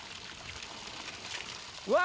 うわ！